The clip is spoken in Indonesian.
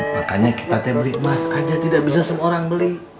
makanya kita saya beli emas aja tidak bisa semua orang beli